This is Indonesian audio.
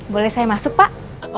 boleh saya masuk pak